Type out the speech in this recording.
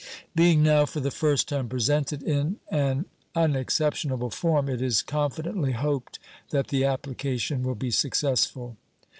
Being now for the first time presented in an unexceptionable form, it is confidently hoped that the application will be successful.